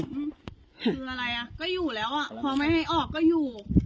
คืออะไรอ่ะก็อยู่แล้วอ่ะพอไม่ให้ออกก็อยู่